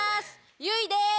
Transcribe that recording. ゆいです。